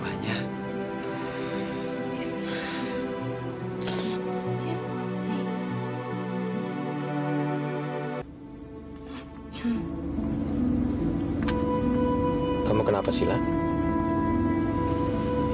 catry aogen suami akung tapi napa ya